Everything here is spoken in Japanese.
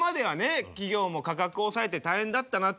企業も価格抑えて大変だったなって